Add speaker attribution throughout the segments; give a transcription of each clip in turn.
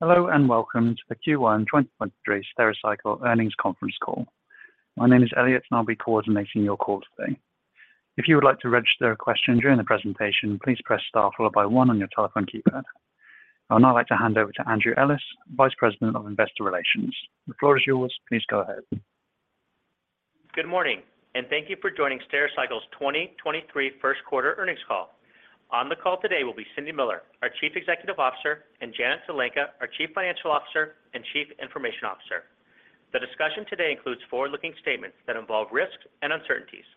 Speaker 1: Hello, and welcome to the Q1 2023 Stericycle Earnings Conference Call. My name is Elliot, and I'll be coordinating your call today. If you would like to register a question during the presentation, please press star followed by 1 on your telephone keypad. I would now like to hand over to Andrew Ellis, Vice President of Investor Relations. The floor is yours. Please go ahead.
Speaker 2: Good morning, thank you for joining Stericycle's 2023 Q1 earnings call. On the call today will be Cindy Miller, our Chief Executive Officer, and Janet Zelenka, our Chief Financial Officer and Chief Information Officer. The discussion today includes forward-looking statements that involve risks and uncertainties.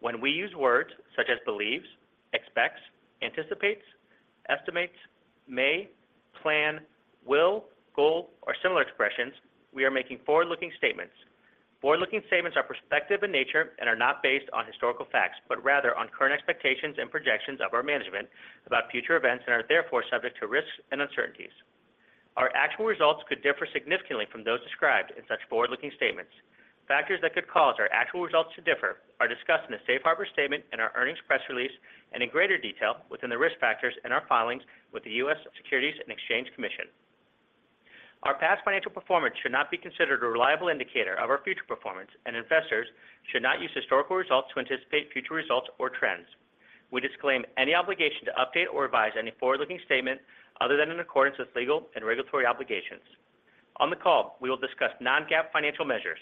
Speaker 2: When we use words such as believes, expects, anticipates, estimates, may, plan, will, goal, or similar expressions, we are making forward-looking statements. Forward-looking statements are prospective in nature and are not based on historical facts, but rather on current expectations and projections of our management about future events and are therefore subject to risks and uncertainties. Our actual results could differ significantly from those described in such forward-looking statements. Factors that could cause our actual results to differ are discussed in the safe harbor statement and our earnings press release and in greater detail within the risk factors in our filings with the US Securities and Exchange Commission. Our past financial performance should not be considered a reliable indicator of our future performance, and investors should not use historical results to anticipate future results or trends. We disclaim any obligation to update or revise any forward-looking statement other than in accordance with legal and regulatory obligations. On the call, we will discuss non-GAAP financial measures.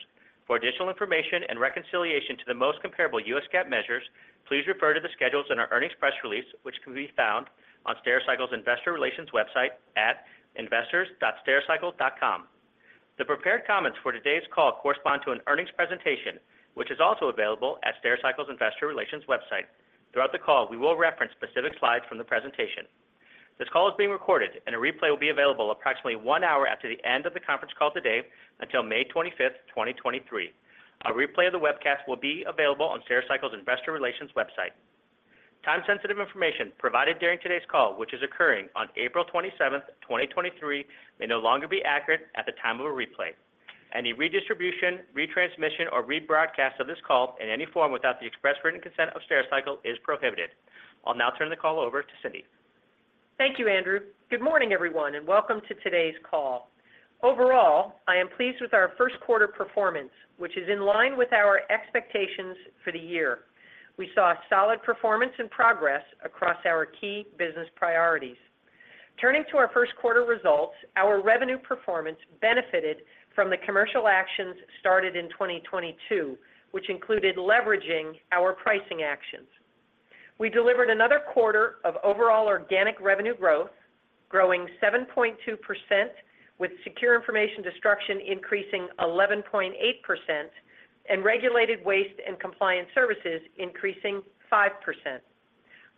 Speaker 2: For additional information and reconciliation to the most comparable US GAAP measures, please refer to the schedules in our earnings press release, which can be found on Stericycle's Investor Relations website at investors.stericycle.com. The prepared comments for today's call correspond to an earnings presentation, which is also available at Stericycle's Investor Relations website. Throughout the call, we will reference specific slides from the presentation. This call is being recorded and a replay will be available approximately 1 hour after the end of the conference call today until May 25, 2023. A replay of the webcast will be available on Stericycle's Investor Relations website. Time-sensitive information provided during today's call, which is occurring on April 27, 2023, may no longer be accurate at the time of a replay. Any redistribution, retransmission, or rebroadcast of this call in any form without the express written consent of Stericycle is prohibited. I'll now turn the call over to Cindy.
Speaker 3: Thank you, Andrew. Good morning, everyone, and welcome to today's call. Overall, I am pleased with our Q1 performance, which is in line with our expectations for the year. We saw solid performance and progress across our key business priorities. Turning to our Q1 results, our revenue performance benefited from the commercial actions started in 2022, which included leveraging our pricing actions. We delivered another quarter of overall organic revenue growth, growing 7.2% with Secure Information Destruction increasing 11.8% and Regulated Waste and Compliance Services increasing 5%.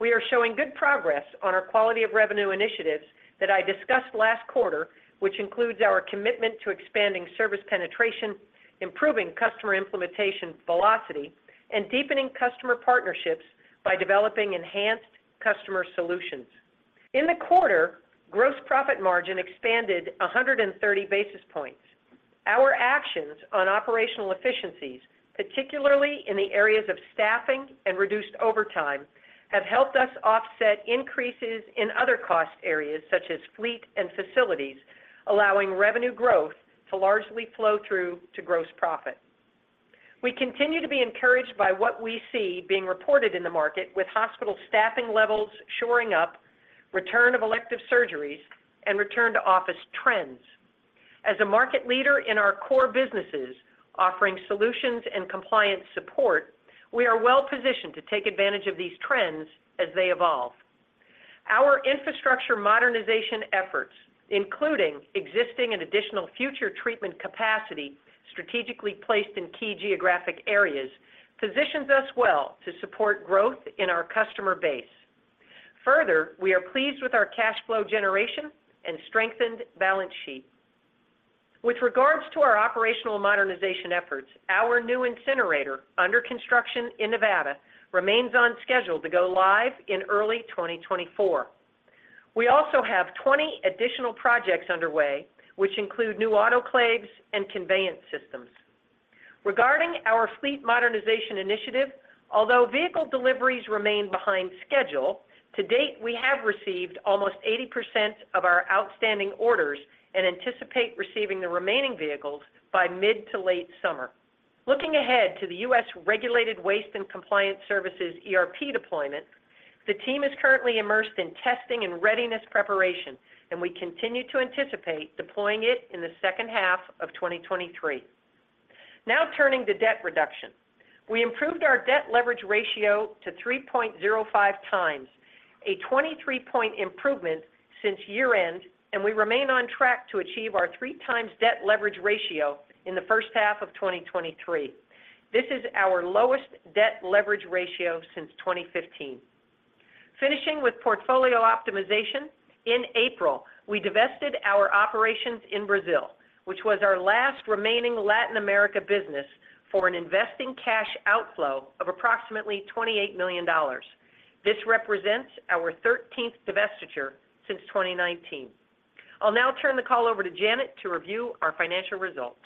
Speaker 3: We are showing good progress on our quality of revenue initiatives that I discussed last quarter, which includes our commitment to expanding service penetration, improving customer implementation velocity, and deepening customer partnerships by developing enhanced customer solutions. In the quarter, gross profit margin expanded 130 basis points. Our actions on operational efficiencies, particularly in the areas of staffing and reduced overtime, have helped us offset increases in other cost areas such as fleet and facilities, allowing revenue growth to largely flow through to gross profit. We continue to be encouraged by what we see being reported in the market with hospital staffing levels shoring up, return of elective surgeries, and return to office trends. As a market leader in our core businesses offering solutions and compliance support, we are well positioned to take advantage of these trends as they evolve. Our infrastructure modernization efforts, including existing and additional future treatment capacity strategically placed in key geographic areas, positions us well to support growth in our customer base. Further, we are pleased with our cash flow generation and strengthened balance sheet. With regards to our operational modernization efforts, our new incinerator under construction in Nevada remains on schedule to go live in early 2024. We also have 20 additional projects underway, which include new autoclaves and conveyance systems. Regarding our fleet modernization initiative, although vehicle deliveries remain behind schedule, to date, we have received almost 80% of our outstanding orders and anticipate receiving the remaining vehicles by mid to late summer. Looking ahead to the U.S. Regulated Waste and Compliance Services ERP deployment, the team is currently immersed in testing and readiness preparation, and we continue to anticipate deploying it in the second half of 2023. Now turning to debt reduction. We improved our debt leverage ratio to 3.05x, a 23-point improvement since year-end, and we remain on track to achieve our 3x debt leverage ratio in the first half of 2023. This is our lowest debt leverage ratio since 2015. Finishing with portfolio optimization, in April, we divested our operations in Brazil, which was our last remaining Latin America business, for an investing cash outflow of approximately $28 million. This represents our 13th divestiture since 2019. I'll now turn the call over to Janet to review our financial results.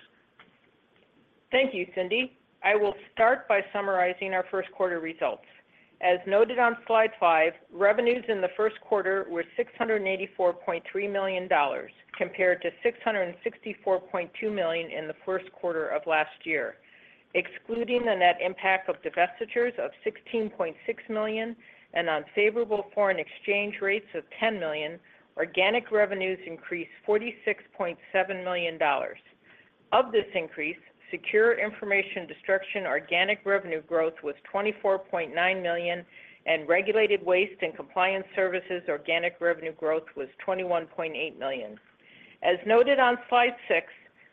Speaker 4: Thank you, Cindy. I will start by summarizing our Q1 results. As noted on slide 5, revenues in the Q1 were $684.3 million compared to $664.2 million in the Q1 of last year. Excluding the net impact of divestitures of $16.6 million and unfavorable foreign exchange rates of $10 million, organic revenues increased $46.7 million. Of this increase, Secure Information Destruction organic revenue growth was $24.9 million and Regulated Waste and Compliance Services organic revenue growth was $21.8 million. As noted on slide 6,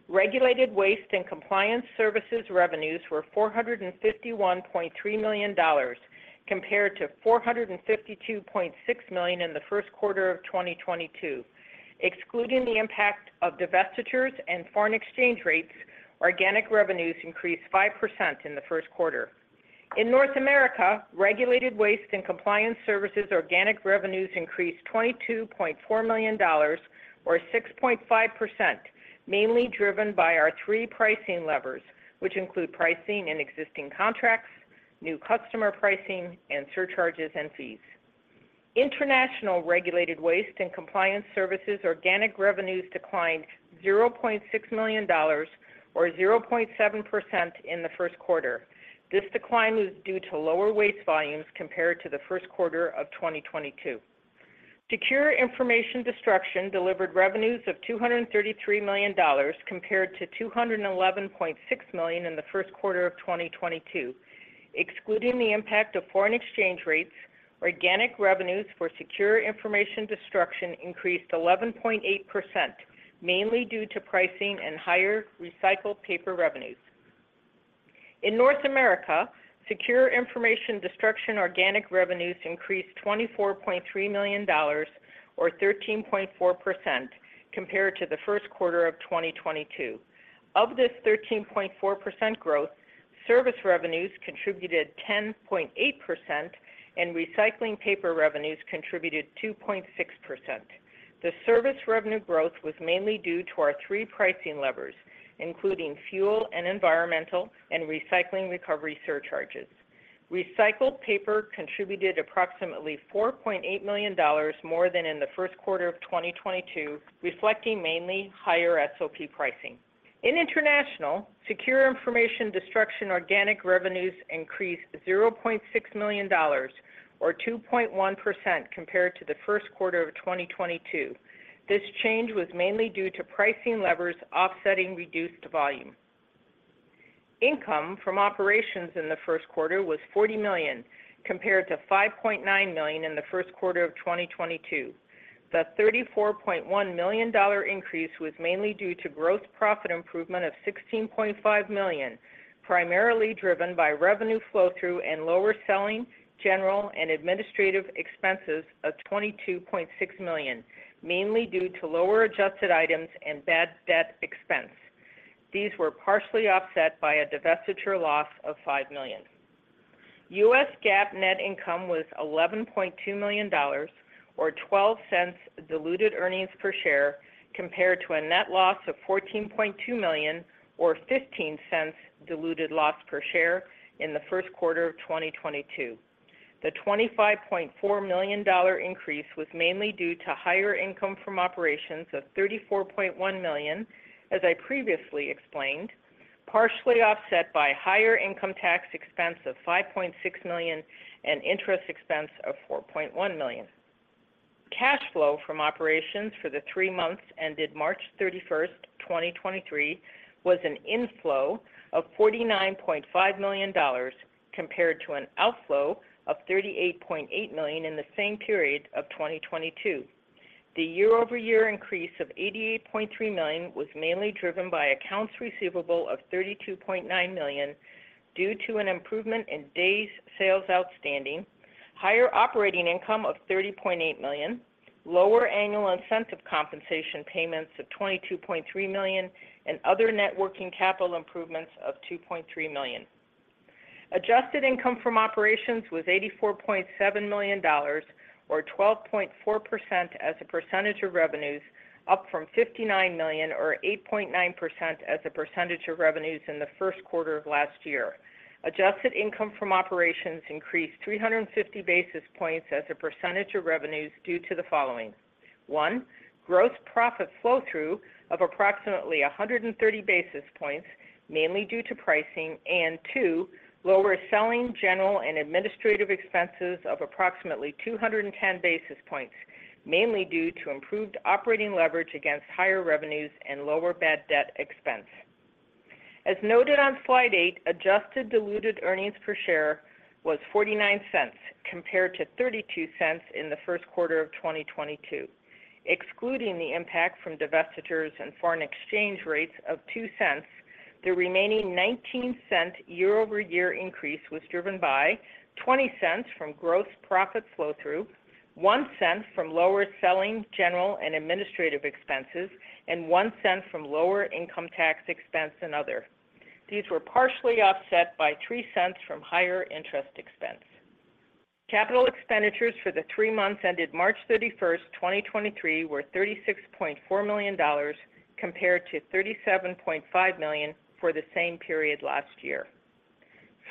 Speaker 4: Regulated Waste and Compliance Services revenues were $451.3 million compared to $452.6 million in the Q1 of 2022. Excluding the impact of divestitures and foreign exchange rates, organic revenues increased 5% in the Q1. In North America, Regulated Waste and Compliance Services organic revenues increased $22.4 million or 6.5%, mainly driven by our three pricing levers, which include pricing in existing contracts, new customer pricing, and surcharges and fees. International Regulated Waste and Compliance Services organic revenues declined $0.6 million or 0.7% in the Q1. This decline was due to lower waste volumes compared to the Q1 of 2022. Secure Information Destruction delivered revenues of $233 million compared to $211.6 million in the Q1 of 2022. Excluding the impact of foreign exchange rates, organic revenues for Secure Information Destruction increased 11.8%, mainly due to pricing and higher recycled paper revenues. In North America, Secure Information Destruction organic revenues increased $24.3 million or 13.4% compared to the Q1 of 2022. Of this 13.4% growth, service revenues contributed 10.8% and recycling paper revenues contributed 2.6%. The service revenue growth was mainly due to our three pricing levers, including fuel and environmental and recycling recovery surcharges. Recycled paper contributed approximately $4.8 million more than in the Q1 of 2022, reflecting mainly higher SOP pricing. In international, Secure Information Destruction organic revenues increased $0.6 million or 2.1% compared to the Q1 of 2022. This change was mainly due to pricing levers offsetting reduced volume. Income from operations in the Q1 was $40 million compared to $5.9 million in the Q1 of 2022. The $34.1 million increase was mainly due to gross profit improvement of $16.5 million, primarily driven by revenue flow-through and lower selling, general, and administrative expenses of $22.6 million, mainly due to lower adjusted items and bad debt expense. These were partially offset by a divestiture loss of $5 million. US GAAP net income was $11.2 million or $0.12 diluted earnings per share compared to a net loss of $14.2 million or $0.15 diluted loss per share in the Q1 of 2022. The $25.4 million increase was mainly due to higher income from operations of $34.1 million, as I previously explained, partially offset by higher income tax expense of $5.6 million and interest expense of $4.1 million. Cash flow from operations for the three months ended March 31, 2023, was an inflow of $49.5 million compared to an outflow of $38.8 million in the same period of 2022. The year-over-year increase of $88.3 million was mainly driven by accounts receivable of $32.9 million due to an improvement in days sales outstanding, higher operating income of $30.8 million, lower annual incentive compensation payments of $22.3 million, and other networking capital improvements of $2.3 million. Adjusted income from operations was $84.7 million or 12.4% as a percentage of revenues, up from $59 million or 8.9% as a percentage of revenues in the Q1 of last year. Adjusted income from operations increased 350 basis points as a percentage of revenues due to the following. One, gross profit flow-through of approximately 130 basis points mainly due to pricing. Two, lower selling, general, and administrative expenses of approximately 210 basis points, mainly due to improved operating leverage against higher revenues and lower bad debt expense. As noted on slide eight, adjusted diluted earnings per share was $0.49 compared to $0.32 in the Q1 of 2022. Excluding the impact from divestitures and foreign exchange rates of $0.02, the remaining $0.19 year-over-year increase was driven by $0.20 from gross profit flow-through, $0.01 from lower selling, general, and administrative expenses, and $0.01 from lower income tax expense and other. These were partially offset by $0.03 from higher interest expense. Capital expenditures for the three months ended March 31st, 2023 were $36.4 million compared to $37.5 million for the same period last year.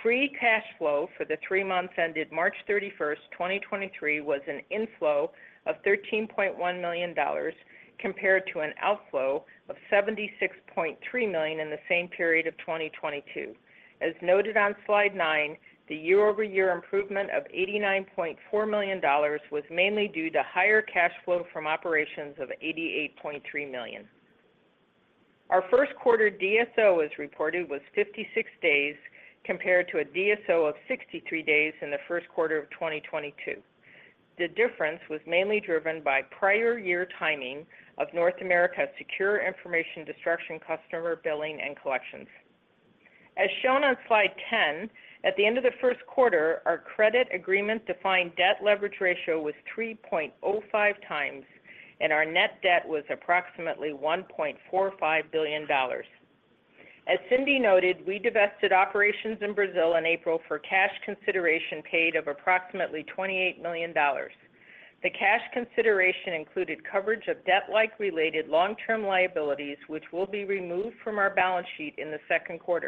Speaker 4: Free cash flow for the three months ended March 31st, 2023 was an inflow of $13.1 million compared to an outflow of $76.3 million in the same period of 2022. As noted on slide nine, the year-over-year improvement of $89.4 million was mainly due to higher cash flow from operations of $88.3 million. Our Q1 DSO as reported was 56 days compared to a DSO of 63 days in the Q1 of 2022. The difference was mainly driven by prior year timing of North America's Secure Information Destruction customer billing and collections. As shown on slide 10, at the end of the Q1, our credit agreement defined debt leverage ratio was 3.05x, and our net debt was approximately $1.45 billion. As Cindy noted, we divested operations in Brazil in April for cash consideration paid of approximately $28 million. The cash consideration included coverage of debt-like related long-term liabilities, which will be removed from our balance sheet in the Q2.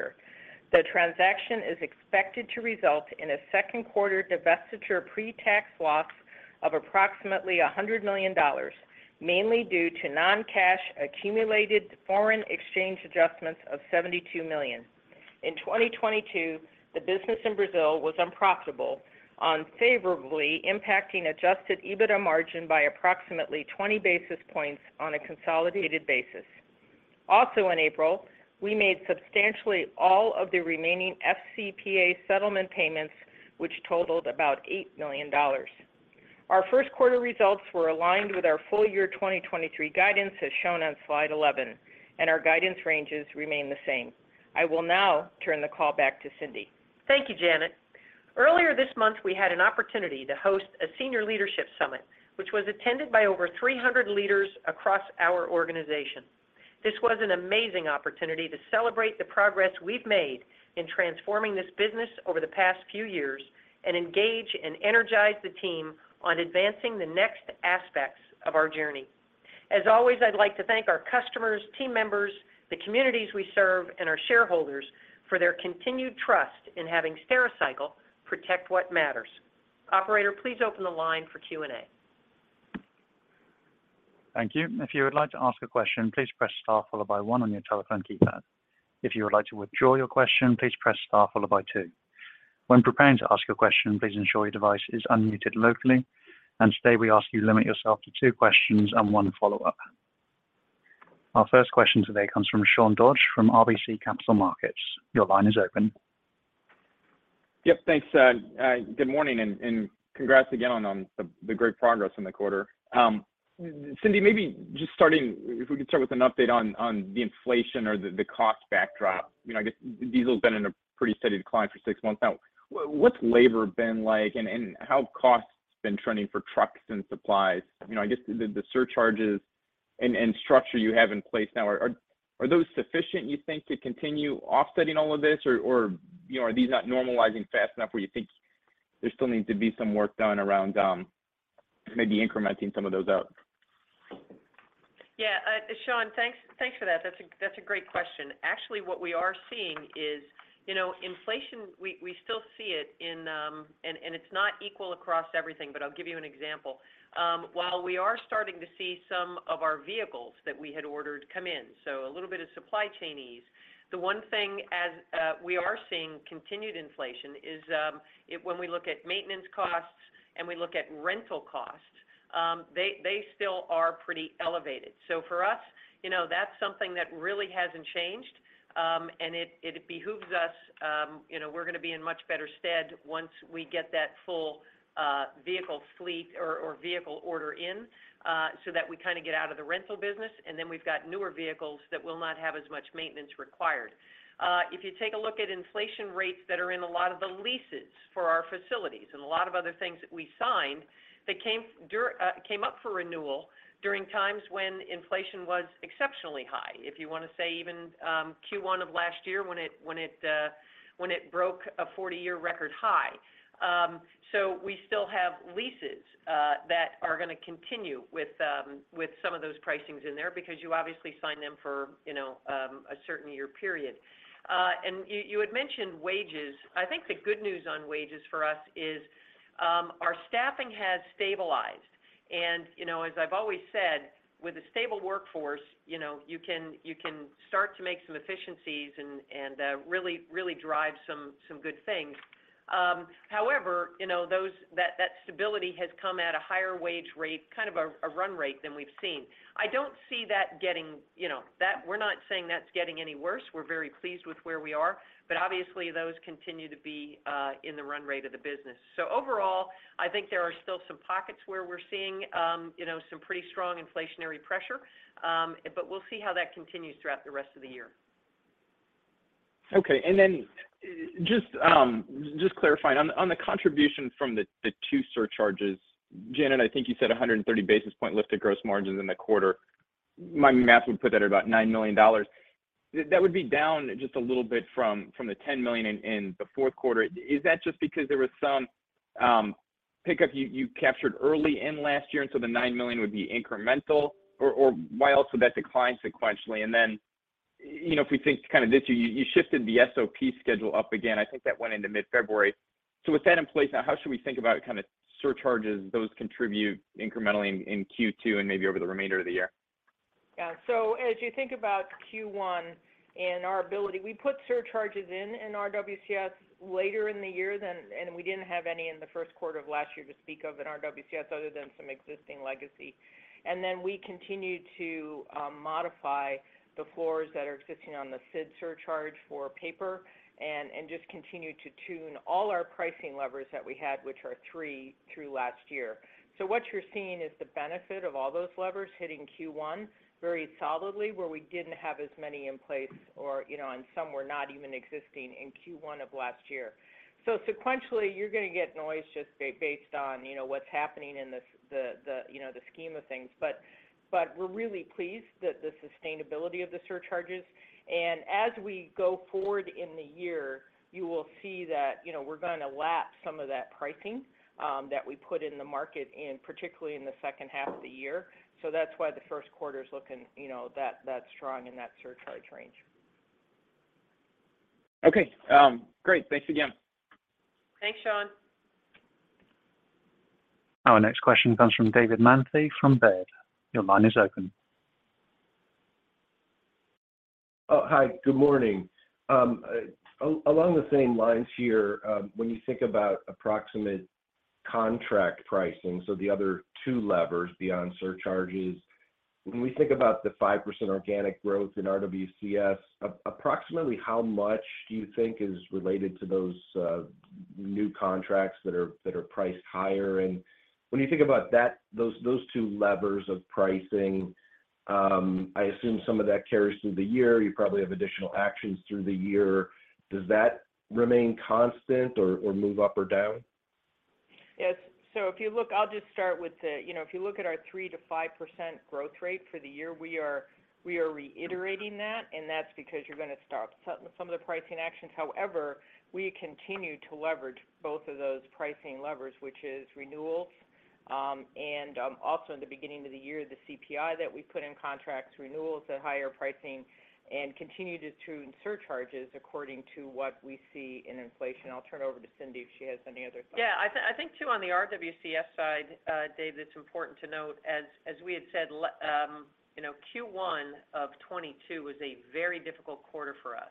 Speaker 4: The transaction is expected to result in a Q2 divestiture pre-tax loss of approximately $100 million, mainly due to non-cash accumulated foreign exchange adjustments of $72 million. In 2022, the business in Brazil was unprofitable, unfavorably impacting adjusted EBITDA margin by approximately 20 basis points on a consolidated basis. In April, we made substantially all of the remaining FCPA settlement payments, which totaled about $8 million. Our Q1 results were aligned with our full year 2023 guidance as shown on slide 11, and our guidance ranges remain the same. I will now turn the call back to Cindy.
Speaker 3: Thank you, Janet. Earlier this month, we had an opportunity to host a senior leadership summit, which was attended by over 300 leaders across our organization. This was an amazing opportunity to celebrate the progress we've made in transforming this business over the past few years and engage and energize the team on advancing the next aspects of our journey. As always, I'd like to thank our customers, team members, the communities we serve, and our shareholders for their continued trust in having Stericycle protect what matters. Operator, please open the line for Q&A.
Speaker 1: Thank you. If you would like to ask a question, please press star followed by one on your telephone keypad. If you would like to withdraw your question, please press star followed by two. When preparing to ask your question, please ensure your device is unmuted locally. Today, we ask you limit yourself to two questions and one follow-up. Our first question today comes from Sean Dodge from RBC Capital Markets. Your line is open.
Speaker 5: Yep. Thanks, good morning and congrats again on the great progress in the quarter. Cindy, maybe just starting, if we could start with an update on the inflation or the cost backdrop. You know, I guess diesel's been in a pretty steady decline for six months now. What's labor been like and how costs been trending for trucks and supplies? You know, I guess the surcharges and structure you have in place now, are those sufficient, you think, to continue offsetting all of this? You know, are these not normalizing fast enough where you think there still needs to be some work done around, maybe incrementing some of those out?
Speaker 3: Sean, thanks for that. That's a great question. Actually, what we are seeing is, you know, inflation, we still see it in and it's not equal across everything, but I'll give you an example. While we are starting to see some of our vehicles that we had ordered come in, so a little bit of supply chain ease, the one thing as we are seeing continued inflation is when we look at maintenance costs and we look at rental costs, they still are pretty elevated. For us, you know, that's something that really hasn't changed. It behooves us, you know, we're gonna be in much better stead once we get that full vehicle fleet or vehicle order in, so that we kind of get out of the rental business, and then we've got newer vehicles that will not have as much maintenance required. If you take a look at inflation rates that are in a lot of the leases for our facilities and a lot of other things that we signed that came up for renewal during times when inflation was exceptionally high. If you wanna say even, Q1 of last year when it broke a 40-year record high. We still have leases that are gonna continue with some of those pricings in there because you obviously sign them for, you know, a certain year period. You had mentioned wages. I think the good news on wages for us is our staffing has stabilized. You know, as I've always said, with a stable workforce, you know, you can start to make some efficiencies and really drive some good things. However, you know, that stability has come at a higher wage rate, kind of a run rate than we've seen. I don't see that getting, you know, We're not saying that's getting any worse. We're very pleased with where we are. Obviously, those continue to be in the run rate of the business. Overall, I think there are still some pockets where we're seeing, you know, some pretty strong inflationary pressure. We'll see how that continues throughout the rest of the year.
Speaker 5: Okay. Just clarifying. On the contribution from the two surcharges, Janet, I think you said 130 basis point lift to gross margins in the quarter. My math would put that at about $9 million. That would be down just a little bit from the $10 million in the Q4. Is that just because there was some pickup you captured early in last year, and so the $9 million would be incremental? Or why else would that decline sequentially? You know, if we think kind of this year, you shifted the SOP schedule up again. I think that went into mid-February. With that in place now, how should we think about kind of surcharges, those contribute incrementally in Q2 and maybe over the remainder of the year?
Speaker 4: Yeah. As you think about Q1 and our ability, we put surcharges in in RWCS later in the year. We didn't have any in the Q1 of last year to speak of in RWCS other than some existing legacy. We continued to modify the floors that are existing on the SID surcharge for paper and just continued to tune all our pricing levers that we had, which are three through last year. What you're seeing is the benefit of all those levers hitting Q1 very solidly, where we didn't have as many in place or, you know, and some were not even existing in Q1 of last year. Sequentially, you're going to get noise just based on, you know, what's happening in the, you know, the scheme of things. We're really pleased that the sustainability of the surcharges, and as we go forward in the year, you will see that, you know, we're gonna lap some of that pricing that we put in the market in, particularly in the second half of the year. That's why the Q1 is looking, you know, that strong in that surcharge range.
Speaker 5: Okay. great. Thanks again.
Speaker 4: Thanks, Sean.
Speaker 1: Our next question comes from David Manthey from Baird. Your line is open.
Speaker 6: Hi, good morning. along the same lines here, when you think about approximate contract pricing, so the other two levers beyond surcharges, when we think about the 5% organic growth in RWCS, approximately how much do you think is related to those new contracts that are priced higher? When you think about those two levers of pricing, I assume some of that carries through the year. You probably have additional actions through the year. Does that remain constant or move up or down?
Speaker 4: Yes. You know, if you look at our 3%-5% growth rate for the year, we are reiterating that, and that's because you're gonna stop some of the pricing actions. However, we continue to leverage both of those pricing levers, which is renewals, and also in the beginning of the year, the CPI that we put in contracts, renewals at higher pricing, and continue to tune surcharges according to what we see in inflation. I'll turn over to Cindy if she has any other thoughts.
Speaker 3: Yeah. I think too on the RWCS side, David, it's important to note, as we had said, you know, Q1 of 2022 was a very difficult quarter for us.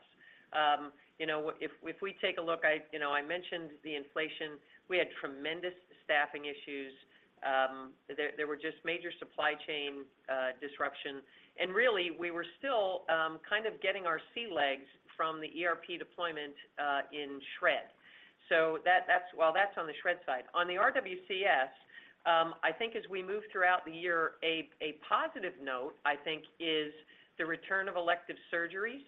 Speaker 3: You know, if we take a look, I, you know, I mentioned the inflation. We had tremendous staffing issues. There were just major supply chain disruption. Really, we were still kind of getting our sea legs from the ERP deployment in shred. Well, that's on the shred side. On the RWCS, I think as we move throughout the year, a positive note, I think, is the return of elective surgeries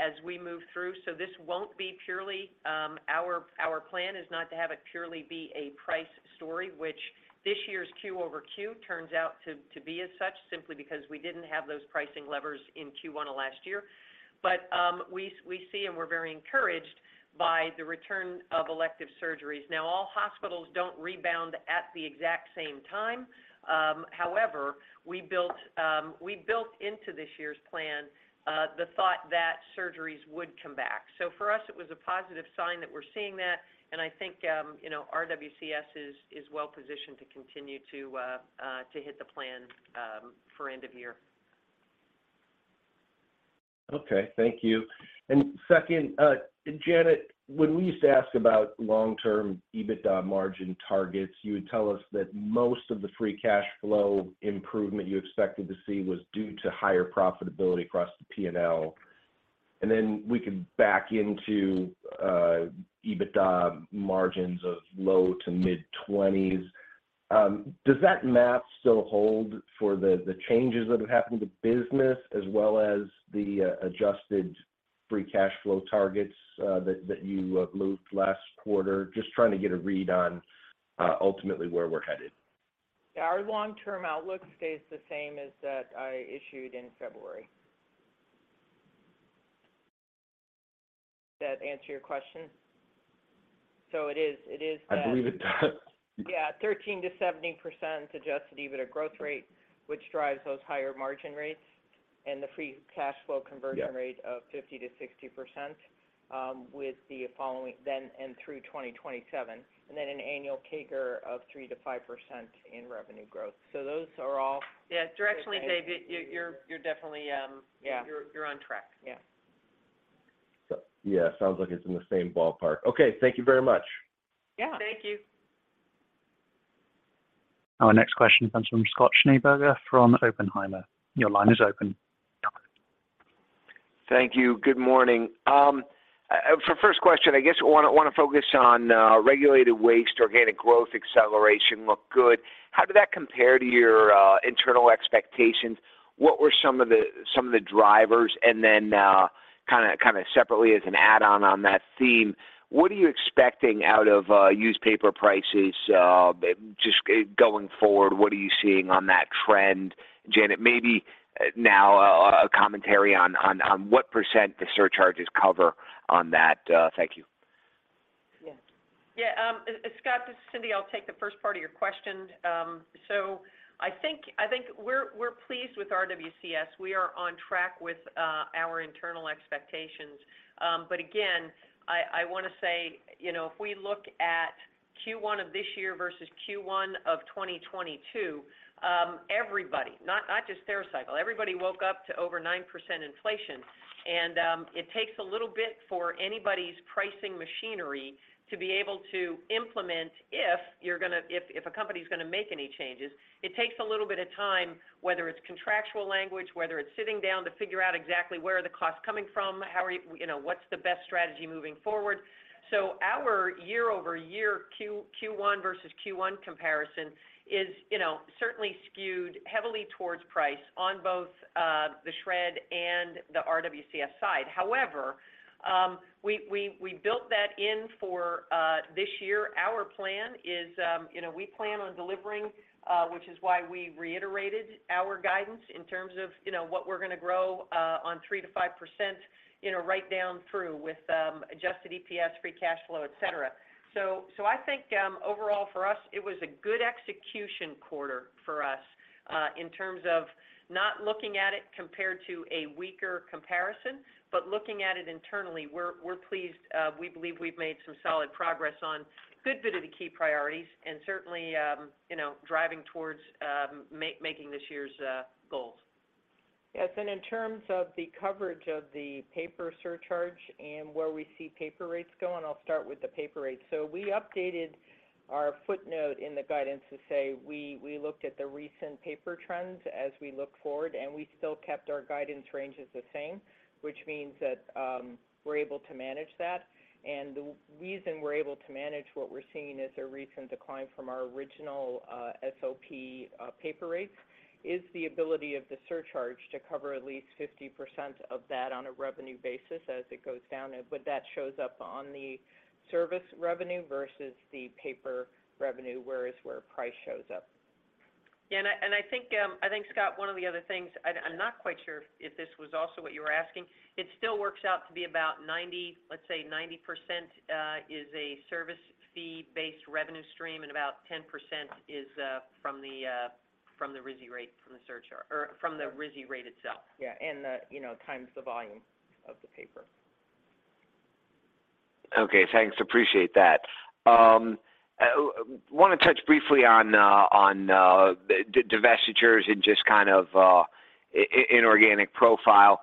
Speaker 3: as we move through. This won't be purely- Our plan is not to have it purely be a price story, which this year's quarter-over-quarter turns out to be as such simply because we didn't have those pricing levers in Q1 of last year. We see and we're very encouraged by the return of elective surgeries. All hospitals don't rebound at the exact same time. However, we built into this year's plan the thought that surgeries would come back. For us, it was a positive sign that we're seeing that. I think, you know, RWCS is well-positioned to continue to hit the plan for end of year.
Speaker 6: Okay. Thank you. Second, Janet, when we used to ask about long-term EBITDA margin targets, you would tell us that most of the free cash flow improvement you expected to see was due to higher profitability across the P&L. Then we could back into EBITDA margins of low to mid-20s. Does that map still hold for the changes that have happened to business as well as the adjusted free cash flow targets that you moved last quarter? Just trying to get a read on ultimately where we're headed.
Speaker 4: Yeah, our long-term outlook stays the same as that I issued in February. Does that answer your question? It is that.
Speaker 6: I believe it does.
Speaker 4: Yeah, 13%-17% adjusted EBITDA growth rate, which drives those higher margin rates and the free cash flow conversion rate-
Speaker 6: Yeah...
Speaker 4: of 50%-60%, with the following then and through 2027, and then an annual CAGR of 3%-5% in revenue growth. Those are all.
Speaker 3: Yeah, directionally, David, you're definitely.
Speaker 4: You're on track. Yeah.
Speaker 6: Yeah, sounds like it's in the same ballpark. Okay, thank you very much.
Speaker 4: Yeah.
Speaker 3: Thank you.
Speaker 1: Our next question comes from Scott Schneeberger from Oppenheimer. Your line is open.
Speaker 7: Thank you. Good morning. For first question, I guess I wanna focus on Regulated Waste, organic growth acceleration looked good. How did that compare to your internal expectations? What were some of the drivers? Then kind of separately as an add-on on that theme, what are you expecting out of used paper prices just going forward? What are you seeing on that trend? Janet, maybe now a commentary on what % the surcharges cover on that. Thank you.
Speaker 4: Yeah.
Speaker 3: Yeah. Scott, this is Cindy. I'll take the first part of your question. I think we're pleased with RWCS. We are on track with our internal expectations. Again, I wanna say, you know, if we look at Q1 of this year versus Q1 of 2022, everybody, not just Stericycle, everybody woke up to over 9% inflation. It takes a little bit for anybody's pricing machinery to be able to implement if a company's gonna make any changes. It takes a little bit of time, whether it's contractual language, whether it's sitting down to figure out exactly where are the costs coming from, you know, what's the best strategy moving forward. Our year-over-year Q1 versus Q1 comparison is, you know, certainly skewed heavily towards price on both the shred and the RWCS side. We built that in for this year. Our plan is, you know, we plan on delivering, which is why we reiterated our guidance in terms of, you know, what we're gonna grow on 3%-5%, you know, right down through with adjusted EPS, free cash flow, et cetera. I think overall for us, it was a good execution quarter for us in terms of not looking at it compared to a weaker comparison, but looking at it internally, we're pleased. We believe we've made some solid progress on a good bit of the key priorities and certainly, you know, driving towards making this year's goals.
Speaker 4: In terms of the coverage of the paper surcharge and where we see paper rates going, I'll start with the paper rates. We updated our footnote in the guidance to say we looked at the recent paper trends as we look forward, and we still kept our guidance ranges the same, which means that we're able to manage that. The reason we're able to manage what we're seeing as a recent decline from our original SOP paper rates is the ability of the surcharge to cover at least 50% of that on a revenue basis as it goes down. That shows up on the service revenue versus the paper revenue, whereas where price shows up.
Speaker 3: Yeah. I think, I think, Scott, one of the other things, I'm not quite sure if this was also what you were asking. It still works out to be about 90, let's say 90%, is a service fee-based revenue stream, and about 10% is from the RISI rate from the surcharge, or from the RISI rate itself.
Speaker 4: Yeah. The, you know, times the volume of the paper.
Speaker 7: Okay. Thanks. Appreciate that. I wanna touch briefly on divestitures and just kind of inorganic profile.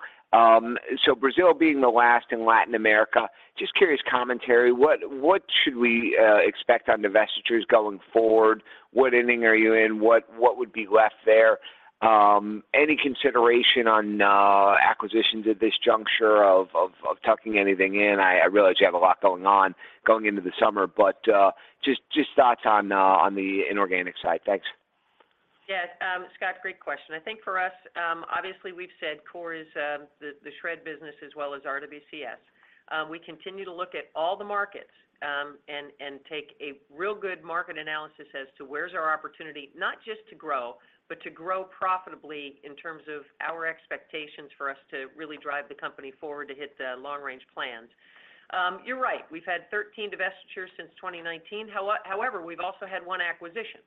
Speaker 7: Brazil being the last in Latin America, just curious commentary, what should we expect on divestitures going forward? What inning are you in? What would be left there? Any consideration on acquisitions at this juncture of tucking anything in? I realize you have a lot going on going into the summer, but just thoughts on the inorganic side. Thanks.
Speaker 3: Yes. Scott, great question. I think for us, obviously we've said core is the shred business as well as RWCS. We continue to look at all the markets and take a real good market analysis as to where's our opportunity, not just to grow, but to grow profitably in terms of our expectations for us to really drive the company forward to hit the long range plans. You're right. We've had 13 divestitures since 2019. However, we've also had one acquisition.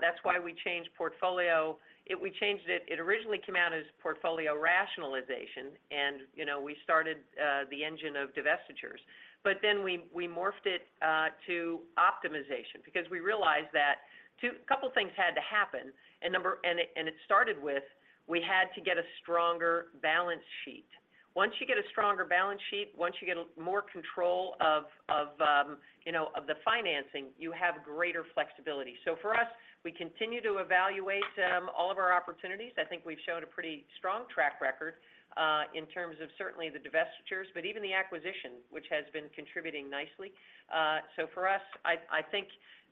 Speaker 3: That's why we changed portfolio. We changed it. It originally came out as portfolio rationalization, you know, we started the engine of divestitures. Then we morphed it to optimization because we realized that couple things had to happen. Number- It started with, we had to get a stronger balance sheet. Once you get a stronger balance sheet, once you get a more control of, you know, of the financing, you have greater flexibility. For us, we continue to evaluate all of our opportunities. I think we've shown a pretty strong track record in terms of certainly the divestitures, but even the acquisition, which has been contributing nicely. For us, I think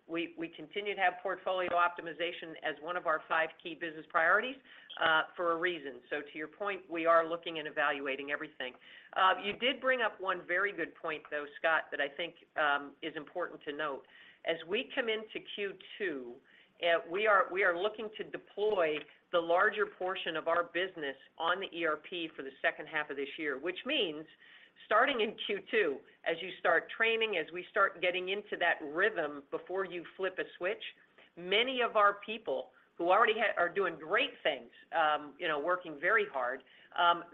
Speaker 3: we continue to have portfolio optimization as one of our five key business priorities for a reason. To your point, we are looking and evaluating everything. You did bring up one very good point, though, Scott, that I think is important to note. As we come into Q2, we are looking to deploy the larger portion of our business on the ERP for the second half of this year, which means starting in Q2, as you start training, as we start getting into that rhythm before you flip a switch, many of our people who already are doing great things, you know, working very hard,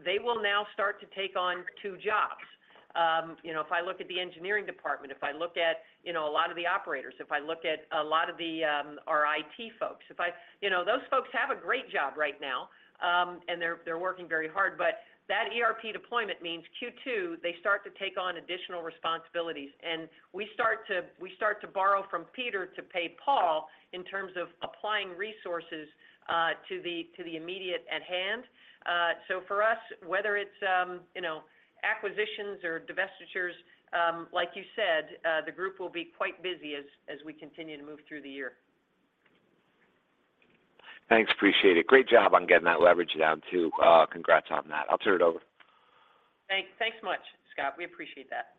Speaker 3: they will now start to take on two jobs. You know, if I look at the engineering department, if I look at, you know, a lot of the operators, if I look at a lot of the, our IT folks. You know, those folks have a great job right now, and they're working very hard. That ERP deployment means Q2, they start to take on additional responsibilities, and we start to borrow from Peter to pay Paul in terms of applying resources to the immediate at hand. For us, whether it's, you know, acquisitions or divestitures, like you said, the group will be quite busy as we continue to move through the year.
Speaker 7: Thanks. Appreciate it. Great job on getting that leverage down too. Congrats on that. I'll turn it over.
Speaker 3: Thanks. Thanks much, Scott. We appreciate that.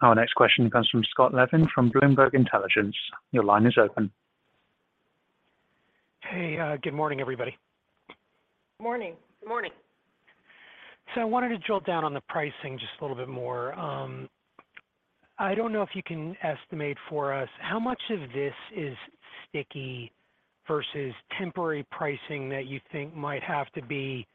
Speaker 1: Our next question comes from Scott Levine from Bloomberg Intelligence. Your line is open.
Speaker 8: Hey, good morning, everybody.
Speaker 3: Morning. Good morning.
Speaker 8: I wanted to drill down on the pricing just a little bit more. I don't know if you can estimate for us how much of this is sticky versus temporary pricing that you think might have to be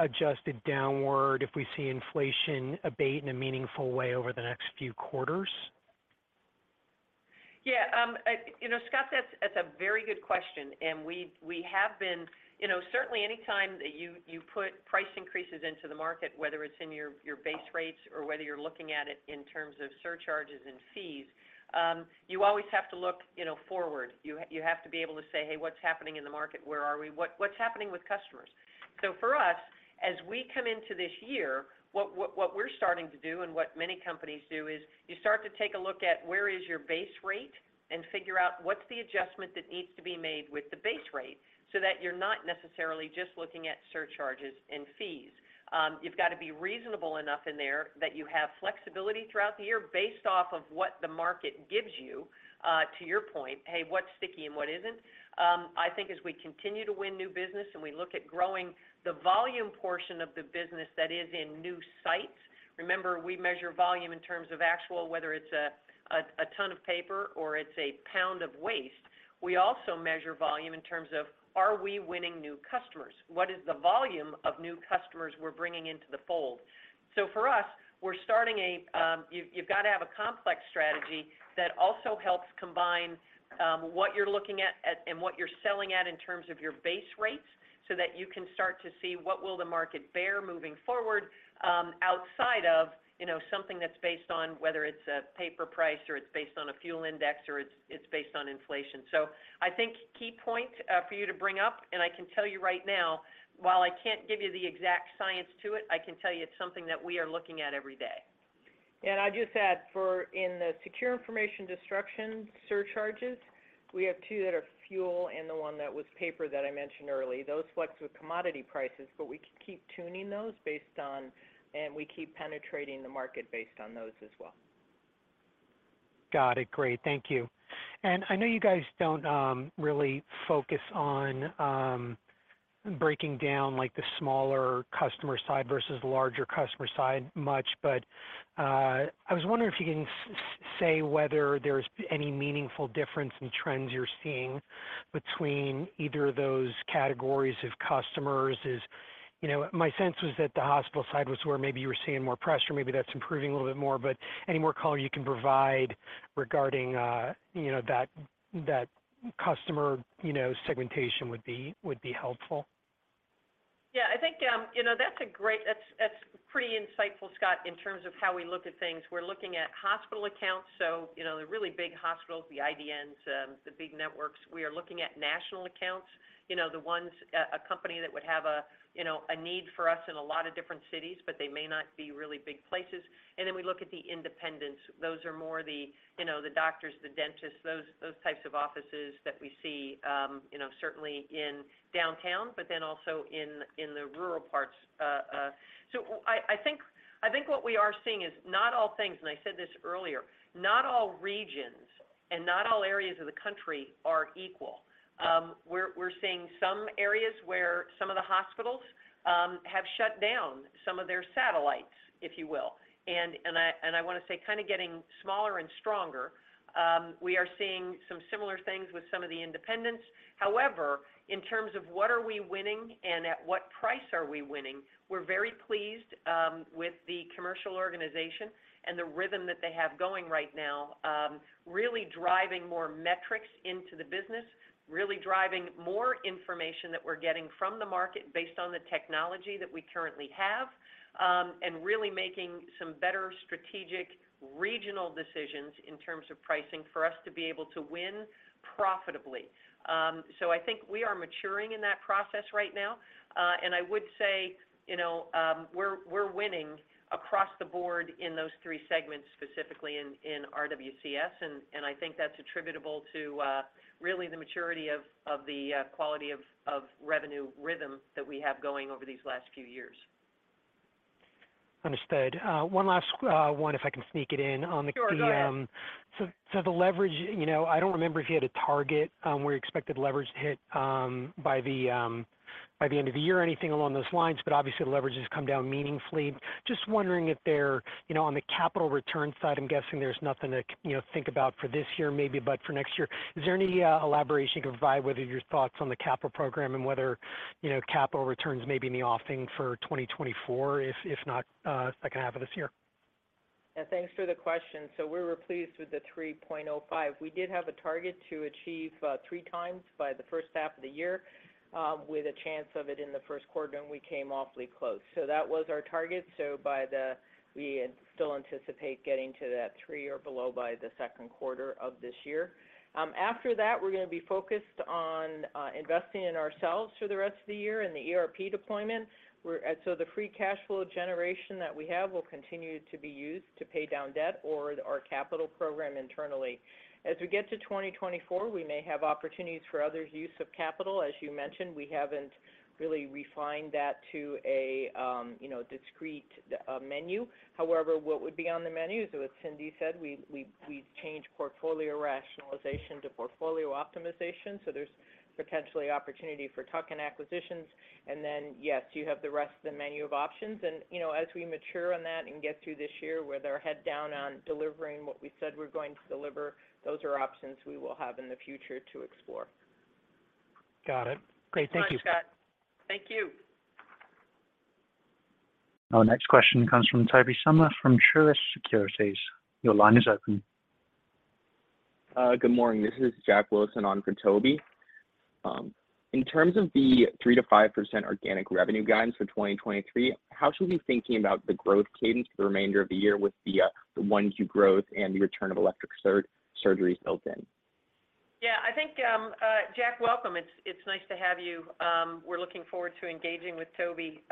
Speaker 8: adjusted downward if we see inflation abate in a meaningful way over the next few quarters?
Speaker 3: Yeah. You know, Scott, that's a very good question, and we have been—you know, certainly anytime that you put price increases into the market, whether it's in your base rates or whether you're looking at it in terms of surcharges and fees, you always have to look, you know, forward. You have to be able to say, "Hey, what's happening in the market? Where are we? What's happening with customers?" For us, as we come into this year, what we're starting to do and what many companies do is you start to take a look at where is your base rate and figure out what's the adjustment that needs to be made with the base rate so that you're not necessarily just looking at surcharges and fees. You've got to be reasonable enough in there that you have flexibility throughout the year based off of what the market gives you, to your point, hey, what's sticky and what isn't? I think as we continue to win new business and we look at growing the volume portion of the business that is in new sites, remember, we measure volume in terms of actual, whether it's a ton of paper or it's a pound of waste. We also measure volume in terms of are we winning new customers? What is the volume of new customers we're bringing into the fold? For us, we're starting a, you've got to have a complex strategy that also helps combine, what you're looking at, and what you're selling at in terms of your base rates so that you can start to see what will the market bear moving forward, outside of, you know, something that's based on whether it's a paper price or it's based on a fuel index or it's based on inflation. I think key point, for you to bring up, and I can tell you right now, while I can't give you the exact science to it, I can tell you it's something that we are looking at every day.
Speaker 4: I'd just add for in the Secure Information Destruction surcharges, we have two that are fuel and the one that was paper that I mentioned earlier. Those flex with commodity prices, but we keep tuning those based on, and we keep penetrating the market based on those as well.
Speaker 8: Got it. Great. Thank you. I know you guys don't really focus on breaking down like the smaller customer side versus larger customer side much, but I was wondering if you can say whether there's any meaningful difference in trends you're seeing between either of those categories of customers. You know, my sense was that the hospital side was where maybe you were seeing more pressure, maybe that's improving a little bit more, but any more color you can provide regarding, you know, that customer, you know, segmentation would be helpful.
Speaker 3: Yeah. I think, you know, That's pretty insightful, Scott, in terms of how we look at things. We're looking at hospital accounts, so, you know, the really big hospitals, the IDNs, the big networks. We are looking at national accounts, you know, a company that would have a, you know, a need for us in a lot of different cities, but they may not be really big places. We look at the independents. Those are more the, you know, the doctors, the dentists, those types of offices that we see, you know, certainly in downtown, but then also in the rural parts. I think what we are seeing is not all things, and I said this earlier, not all regions and not all areas of the country are equal. We're seeing some areas where some of the hospitals have shut down some of their satellites, if you will. I wanna say kinda getting smaller and stronger. We are seeing some similar things with some of the independents. However, in terms of what are we winning and at what price are we winning, we're very pleased with the commercial organization and the rhythm that they have going right now, really driving more metrics into the business, really driving more information that we're getting from the market based on the technology that we currently have, and really making some better strategic regional decisions in terms of pricing for us to be able to win profitably. I think we are maturing in that process right now. I would say, you know, we're winning across the board in those three segments, specifically in RWCS. I think that's attributable to really the maturity of the quality of revenue rhythm that we have going over these last few years.
Speaker 8: Understood. one last one if I can sneak it in on the-
Speaker 3: Sure. Go ahead....
Speaker 8: so the leverage, you know, I don't remember if you had a target on where you expected leverage to hit by the end of the year or anything along those lines, but obviously the leverage has come down meaningfully. Just wondering if there—you know, on the capital return side, I'm guessing there's nothing to you know, think about for this year maybe, but for next year. Is there any elaboration you can provide, whether your thoughts on the capital program and whether, you know, capital returns may be in the offing for 2024, if not, second half of this year?
Speaker 3: Thanks for the question. We're pleased with the 3.05x. We did have a target to achieve 3x by the first half of the year, with a chance of it in the Q1, and we came awfully close. That was our target. We still anticipate getting to that 3 or below by the Q2 of this year. After that, we're gonna be focused on investing in ourselves for the rest of the year and the ERP deployment. The free cash flow generation that we have will continue to be used to pay down debt or our capital program internally. As we get to 2024, we may have opportunities for other use of capital. As you mentioned, we haven't really refined that to a, you know, discrete menu. However, what would be on the menu? As Cindy said, we've changed portfolio rationalization to portfolio optimization, so there's potentially opportunity for tuck-in acquisitions. Yes, you have the rest of the menu of options. You know, as we mature on that and get through this year, we're very head down on delivering what we said we're going to deliver. Those are options we will have in the future to explore.
Speaker 8: Got it. Great. Thank you.
Speaker 3: Thanks, Scott. Thank you.
Speaker 1: Our next question comes from Tobey Sommer from Truist Securities. Your line is open.
Speaker 9: Good morning. This is Jack Wilson on for Tobey. In terms of the 3%-5% organic revenue guidance for 2023, how should we be thinking about the growth cadence for the remainder of the year with the one to two growth and the return of electric surgeries built in?
Speaker 3: I think, Jack, welcome. It's nice to have you. We're looking forward to engaging with Tobey.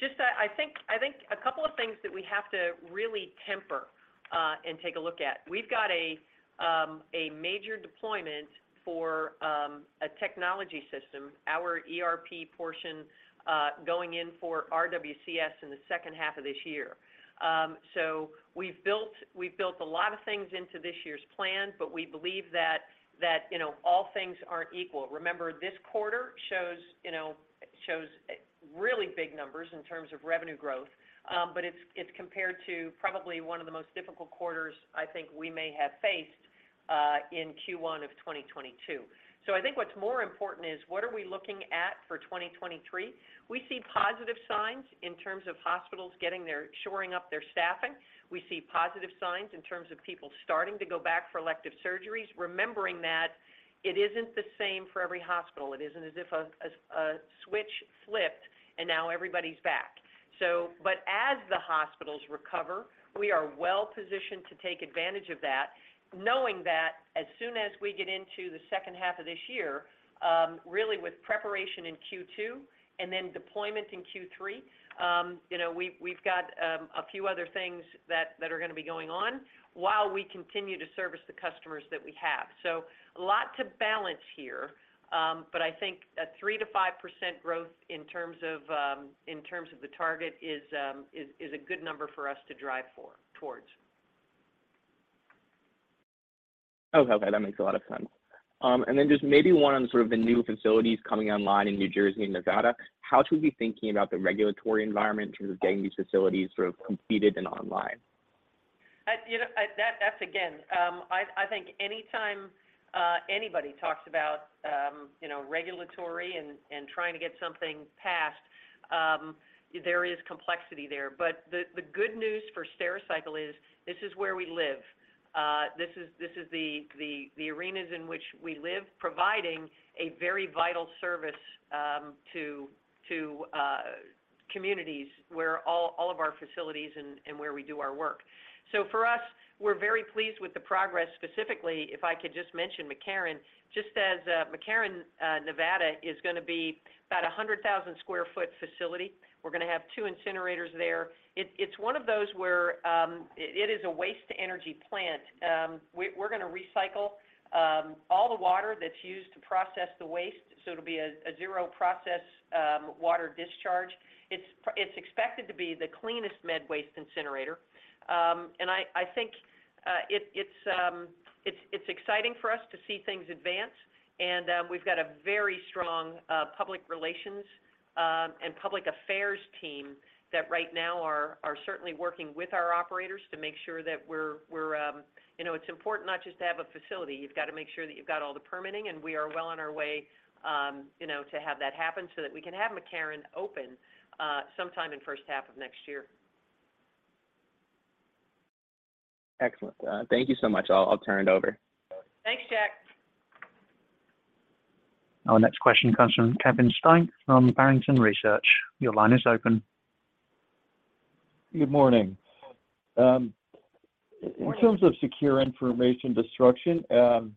Speaker 3: Just I think a couple of things that we have to really temper and take a look at. We've got a major deployment for a technology system, our ERP portion, going in for RWCS in the second half of this year. We've built a lot of things into this year's plan, but we believe that, you know, all things aren't equal. Remember, this quarter shows, you know, shows really big numbers in terms of revenue growth, but it's compared to probably one of the most difficult quarters I think we may have faced in Q1 of 2022. I think what's more important is what are we looking at for 2023? We see positive signs in terms of hospitals getting their shoring up their staffing. We see positive signs in terms of people starting to go back for elective surgeries, remembering that it isn't the same for every hospital. It isn't as if a switch flipped and now everybody's back. But as the hospitals recover, we are well-positioned to take advantage of that, knowing that as soon as we get into the second half of this year, really with preparation in Q2 and then deployment in Q3, you know, we've got a few other things that are gonna be going on while we continue to service the customers that we have. A lot to balance here, but I think a 3%-5% growth in terms of, in terms of the target is a good number for us to drive for, towards.
Speaker 9: Okay. That makes a lot of sense. Just maybe one on sort of the new facilities coming online in New Jersey and Nevada. How should we be thinking about the regulatory environment in terms of getting these facilities sort of completed and online?
Speaker 3: I, you know, I think anytime anybody talks about, you know, regulatory and trying to get something passed, there is complexity there. The good news for Stericycle is this is where we live. This is the arenas in which we live, providing a very vital service to communities where all of our facilities and where we do our work. For us, we're very pleased with the progress. Specifically, if I could just mention McCarran, just as McCarran, Nevada is gonna be about a 100,000 sq ft facility. We're gonna have two incinerators there. It's one of those where it is a waste to energy plant. We're gonna recycle all the water that's used to process the waste, so it'll be a zero process water discharge. It's expected to be the cleanest med waste incinerator. I think it's exciting for us to see things advance. We've got a very strong public relations and public affairs team that right now are certainly working with our operators to make sure that we're. You know, it's important not just to have a facility. You've got to make sure that you've got all the permitting, and we are well on our way, you know, to have that happen so that we can have McCarran open sometime in first half of next year.
Speaker 9: Excellent. Thank you so much. I'll turn it over.
Speaker 3: Thanks, Jack.
Speaker 1: Our next question comes from Kevin Steinke from Barrington Research. Your line is open.
Speaker 10: Good morning.
Speaker 3: Good morning.
Speaker 10: In terms of Secure Information Destruction, you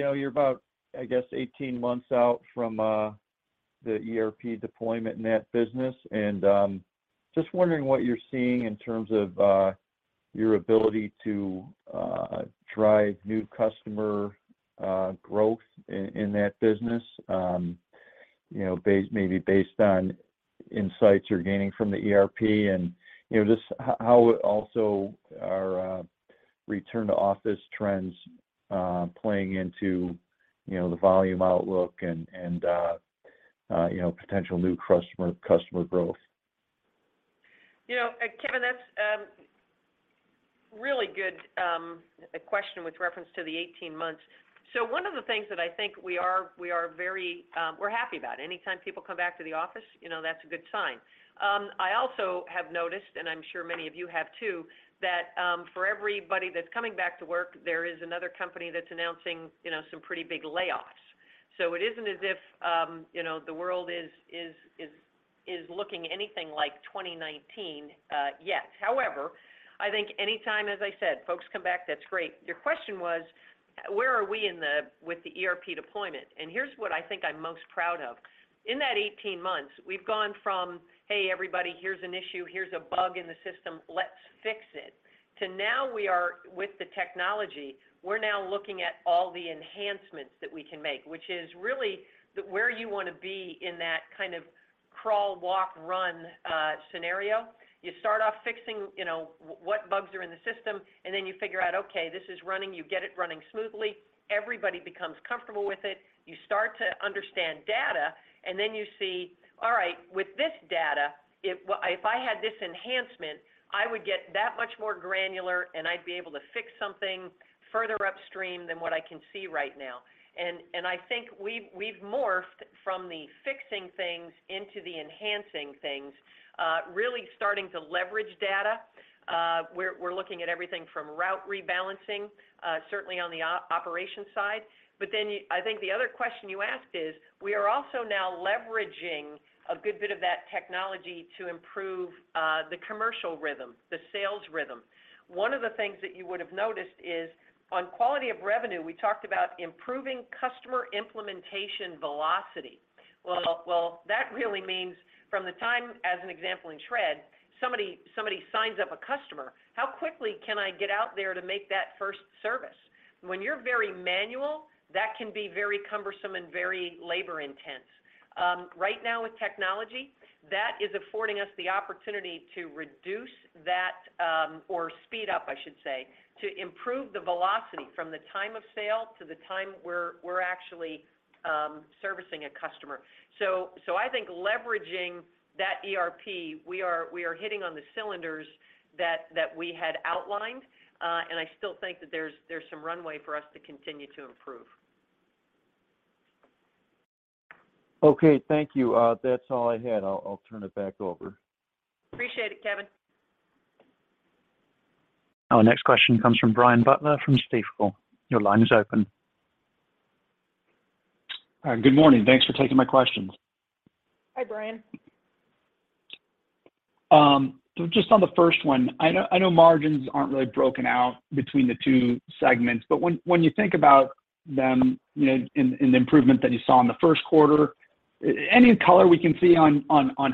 Speaker 10: know, you're about, I guess, 18 months out from the ERP deployment in that business. Just wondering what you're seeing in terms of your ability to drive new customer growth in that business, you know, maybe based on insights you're gaining from the ERP and, you know, just how would also are return to office trends playing into, you know, the volume outlook and, you know, potential new customer growth?
Speaker 3: You know, Kevin, that's Really good question with reference to the 18 months. One of the things that I think we are very, we're happy about, anytime people come back to the office, you know, that's a good sign. I also have noticed, and I'm sure many of you have too, that for everybody that's coming back to work, there is another company that's announcing, you know, some pretty big layoffs. It isn't as if, you know, the world is looking anything like 2019 yet. However, I think anytime, as I said, folks come back, that's great. Your question was, where are we with the ERP deployment? Here's what I think I'm most proud of. In that 18 months, we've gone from, "Hey, everybody, here's an issue, here's a bug in the system, let's fix it," to now we are, with the technology, we're now looking at all the enhancements that we can make, which is really where you wanna be in that kind of crawl, walk, run scenario. You start off fixing, you know, what bugs are in the system, and then you figure out, okay, this is running, you get it running smoothly, everybody becomes comfortable with it, you start to understand data, and then you see, all right, with this data, if I had this enhancement, I would get that much more granular, and I'd be able to fix something further upstream than what I can see right now. I think we've morphed from the fixing things into the enhancing things, really starting to leverage data. We're looking at everything from route rebalancing, certainly on the operations side. I think the other question you asked is, we are also now leveraging a good bit of that technology to improve the commercial rhythm, the sales rhythm. One of the things that you would have noticed is on quality of revenue, we talked about improving customer implementation velocity. Well, that really means from the time, as an example in Shred, somebody signs up a customer, how quickly can I get out there to make that first service? When you're very manual, that can be very cumbersome and very labor-intensive. Right now with technology, that is affording us the opportunity to reduce that, or speed up, I should say, to improve the velocity from the time of sale to the time we're actually servicing a customer. I think leveraging that ERP, we are hitting on the cylinders that we had outlined, and I still think that there's some runway for us to continue to improve.
Speaker 10: Okay. Thank you. That's all I had. I'll turn it back over.
Speaker 3: Appreciate it, Kevin.
Speaker 1: Our next question comes from Brian Butler from Stifel. Your line is open.
Speaker 11: Good morning. Thanks for taking my questions.
Speaker 3: Hi, Brian.
Speaker 11: Just on the first one, I know margins aren't really broken out between the two segments, but when you think about them, you know, in the improvement that you saw in the Q1, any color we can see on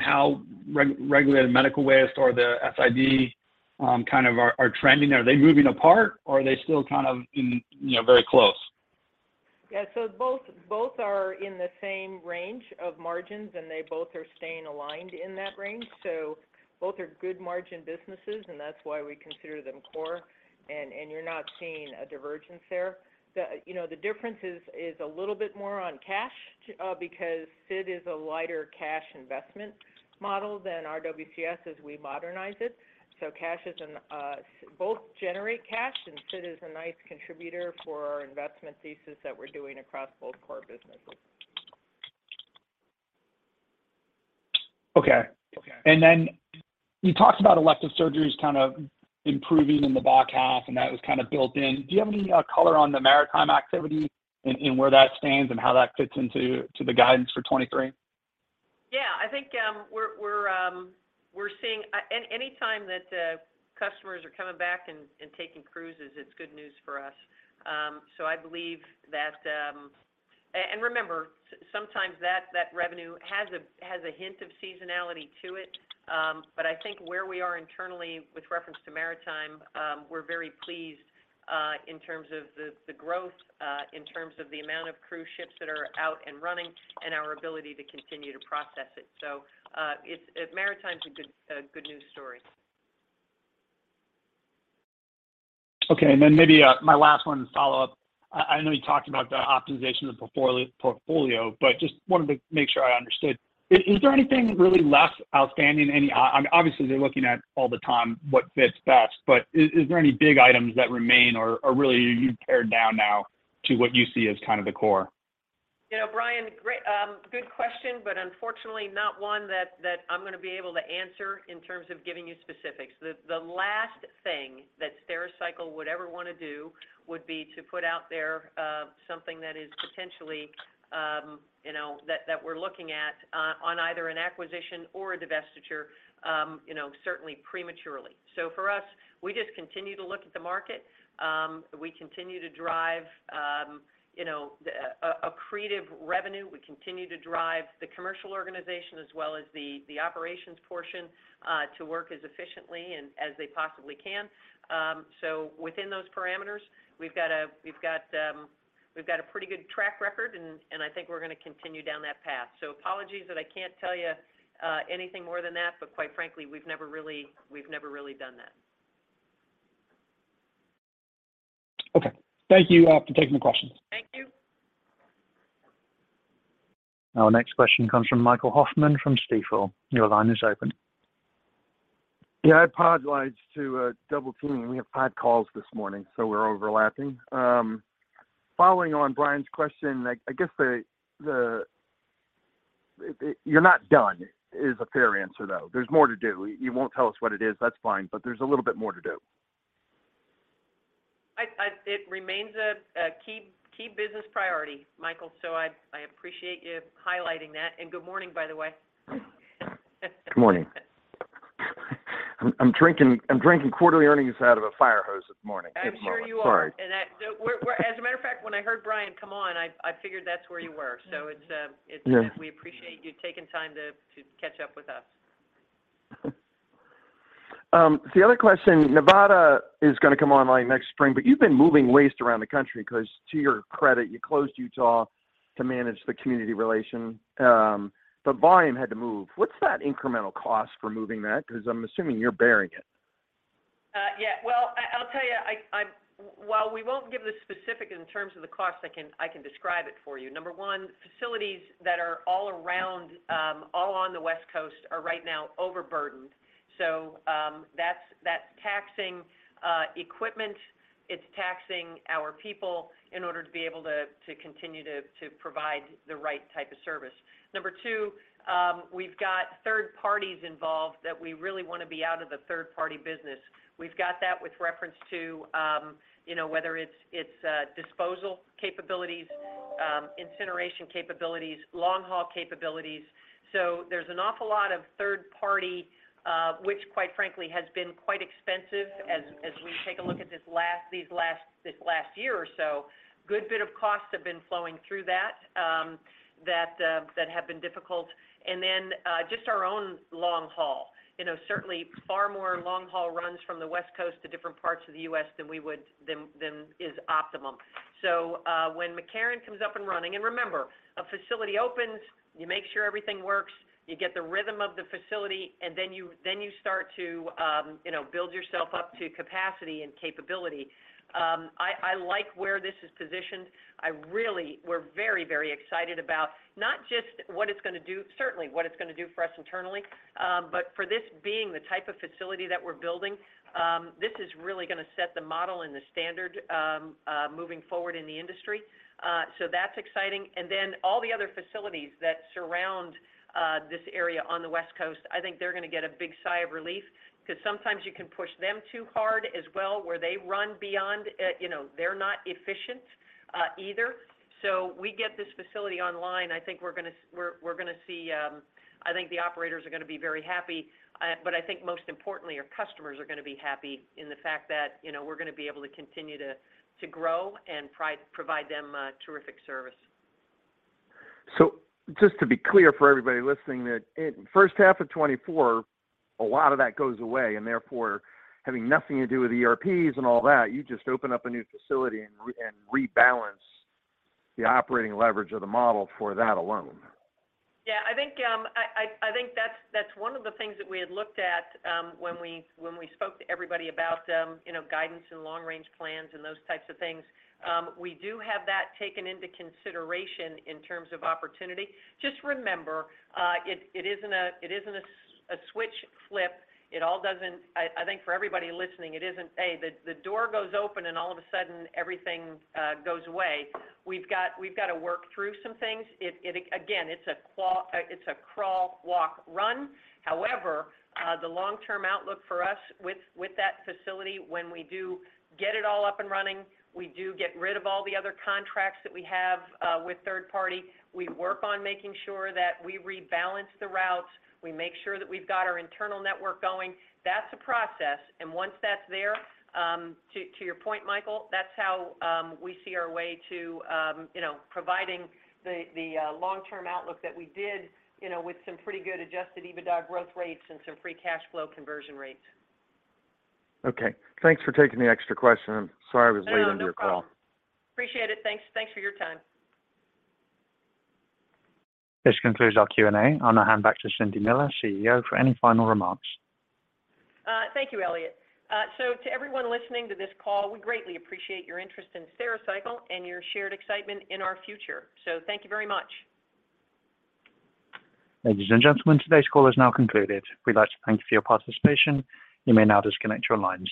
Speaker 11: how Regulated Medical Waste or the SID kind of are trending? Are they moving apart or are they still kind of in, you know, very close?
Speaker 3: Yeah. Both are in the same range of margins, and they both are staying aligned in that range. Both are good margin businesses, and that's why we consider them core and you're not seeing a divergence there. The, you know, the difference is a little bit more on cash because SID is a lighter cash investment model than RWCS as we modernize it. Both generate cash, and SID is a nice contributor for our investment thesis that we're doing across both core businesses.
Speaker 11: Okay. Then you talked about elective surgeries kind of improving in the back half, and that was kind of built in. Do you have any color on the maritime activity and where that stands and how that fits into the guidance for 2023?
Speaker 3: Yeah. I think we're seeing any time that customers are coming back and taking cruises, it's good news for us. I believe that remember, sometimes that revenue has a hint of seasonality to it, but I think where we are internally with reference to maritime, we're very pleased in terms of the growth in terms of the amount of cruise ships that are out and running and our ability to continue to process it. It's maritime's a good news story.
Speaker 11: Okay. Maybe, my last one to follow-up. I know you talked about the optimization of the portfolio, just wanted to make sure I understood. Is there anything really less outstanding? Obviously, you're looking at all the time what fits best, is there any big items that remain or really you've pared down now to what you see as kind of the core?
Speaker 3: You know, Brian, great, good question, but unfortunately not one that I'm gonna be able to answer in terms of giving you specifics. The last thing that Stericycle would ever wanna do would be to put out there, something that is potentially, you know, that we're looking at on either an acquisition or a divestiture, you know, certainly prematurely. For us, we just continue to look at the market. We continue to drive, you know, a creative revenue. We continue to drive the commercial organization as well as the operations portion, to work as efficiently and as they possibly can. So within those parameters, we've got a pretty good track record and I think we're gonna continue down that path. Apologies that I can't tell you, anything more than that, but quite frankly, we've never really done that.
Speaker 11: Okay. Thank you, for taking the questions.
Speaker 1: Our next question comes from Michael Hoffman from Stifel. Your line is open.
Speaker 12: I apologize to double-teaming. We have had calls this morning, so we're overlapping. Following on Brian's question, I guess you're not done is a fair answer, though. There's more to do. You won't tell us what it is, that's fine, but there's a little bit more to do.
Speaker 3: It remains a key business priority, Michael, so I appreciate you highlighting that. Good morning, by the way.
Speaker 12: Good morning. I'm drinking quarterly earnings out of a fire hose this morning.
Speaker 3: I'm sure you are.
Speaker 12: Sorry.
Speaker 3: We're as a matter of fact, when I heard Brian come on, I figured that's where you were. It's-
Speaker 12: Yeah....
Speaker 3: we appreciate you taking time to catch up with us.
Speaker 12: The other question, Nevada is gonna come online next spring, but you've been moving waste around the country 'cause to your credit, you closed Utah to manage the community relation. Volume had to move. What's that incremental cost for moving that? 'Cause I'm assuming you're bearing it.
Speaker 3: Yeah. Well I'll tell you, While we won't give the specific in terms of the cost, I can describe it for you. Number one, facilities that are all around, all on the West Coast are right now overburdened, so that's taxing equipment, it's taxing our people in order to be able to continue to provide the right type of service. Number two, we've got third parties involved that we really wanna be out of the third party business. We've got that with reference to, you know, whether it's disposal capabilities, incineration capabilities, long haul capabilities. There's an awful lot of third party, which quite frankly has been quite expensive as we take a look at this last year or so. Good bit of costs have been flowing through that have been difficult. Then, just our own long haul. You know, certainly far more long haul runs from the West Coast to different parts of the U.S. than we would than is optimum. When McCarran comes up and running, remember, a facility opens, you make sure everything works, you get the rhythm of the facility, and then you, then you start to, you know, build yourself up to capacity and capability. I like where this is positioned. I really, we're very, very excited about not just what it's gonna do, certainly what it's gonna do for us internally, but for this being the type of facility that we're building, this is really gonna set the model and the standard, moving forward in the industry. That's exciting. All the other facilities that surround this area on the West Coast, I think they're gonna get a big sigh of relief, 'cause sometimes you can push them too hard as well, where they run beyond, you know, they're not efficient either. We get this facility online, I think we're gonna see. I think the operators are gonna be very happy, but I think most importantly our customers are gonna be happy in the fact that, you know, we're gonna be able to continue to grow and provide them terrific service.
Speaker 12: Just to be clear for everybody listening that, first half of 2024, a lot of that goes away and therefore having nothing to do with the ERPs and all that, you just open up a new facility and rebalance the operating leverage of the model for that alone.
Speaker 3: Yeah. I think that's one of the things that we had looked at, when we spoke to everybody about, you know, guidance and long range plans and those types of things. We do have that taken into consideration in terms of opportunity. Just remember, it isn't a switch flip. It all doesn't. I think for everybody listening, it isn't, A, the door goes open and all of a sudden everything goes away. We've gotta work through some things. It. Again, it's a crawl, walk, run. However, the long-term outlook for us with that facility, when we do get it all up and running, we do get rid of all the other contracts that we have, with third party. We work on making sure that we rebalance the routes. We make sure that we've got our internal network going. That's a process, and once that's there, to your point, Michael, that's how we see our way to, you know, providing the long-term outlook that we did, you know, with some pretty good adjusted EBITDA growth rates and some free cash flow conversion rates.
Speaker 12: Okay. Thanks for taking the extra question. I'm sorry I was late on your call.
Speaker 3: No problem. Appreciate it. Thanks for your time.
Speaker 1: This concludes our Q&A. I'll now hand back to Cindy Miller, Chief Executive Officer, for any final remarks.
Speaker 3: Thank you, Elliot. To everyone listening to this call, we greatly appreciate your interest in Stericycle and your shared excitement in our future. Thank you very much.
Speaker 1: Ladies and gentlemen, today's call is now concluded. We'd like to thank you for your participation. You may now disconnect your lines.